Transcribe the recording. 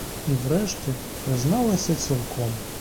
І врешті призналася цілком.